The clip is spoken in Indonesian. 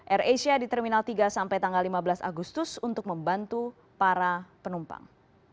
air asia di terminal tiga sampai tanggal lima belas agustus untuk membantu para penumpang